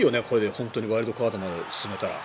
本当にワイルドカードまで進めたら。